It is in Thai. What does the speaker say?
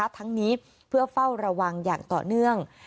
ทั้งนี้เพื่อเฝ้าระวังอย่างต่อเนื่อง